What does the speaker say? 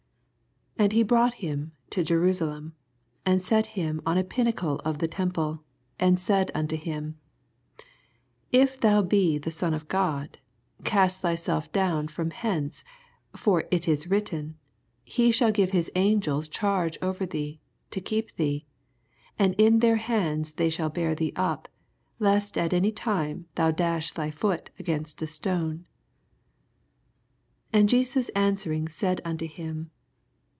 9 And he brought him to Jerusalem, and set him on a pinnacle of the tem §le, and said unto him. If thou be the on of God, oast thyself down from hence: 10 For it is written, He shall g^ive his angels charge over thee, to keep thee: 11 And in their hands they shall bear thee up, lest at any time thou dash thy foot against a stone. 12 And Jesus answering said unto him.